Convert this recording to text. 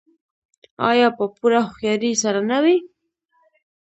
آیا په پوره هوښیارۍ سره نه وي؟